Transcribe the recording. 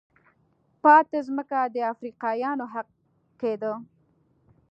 پاتې ځمکه د افریقایانو حق کېده.